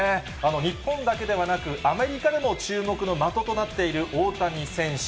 日本だけではなく、アメリカでも注目の的となっている大谷選手。